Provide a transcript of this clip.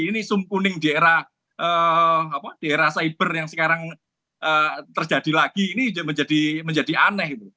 ini sum kuning di era cyber yang sekarang terjadi lagi ini menjadi aneh